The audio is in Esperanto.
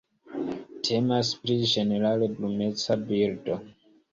Temas pri ĝenerale bruneca birdo.